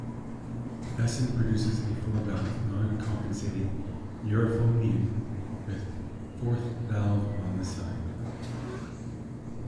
Besson produces a four-valve non-compensating euphonium with the fourth valve on the side.